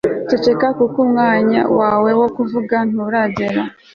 Ceceka kuko umwanya wawe wo kuvuga nturagera